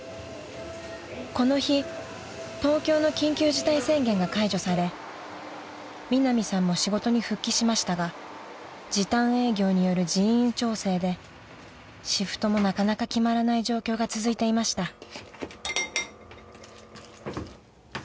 ［この日東京の緊急事態宣言が解除されミナミさんも仕事に復帰しましたが時短営業による人員調整でシフトもなかなか決まらない状況が続いていました］